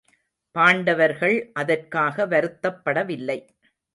பாண்டவர்கள் அதற்காக வருத்தப்படவில்லை.